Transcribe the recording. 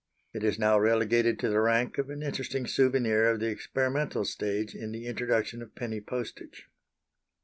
It is now relegated to the rank of an interesting souvenir of the experimental stage in the introduction of Penny Postage.